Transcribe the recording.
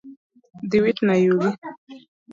Dhi witna yugi